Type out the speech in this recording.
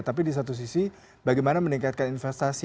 tapi di satu sisi bagaimana meningkatkan investasi